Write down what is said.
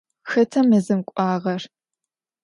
Xeta mezım k'uağer?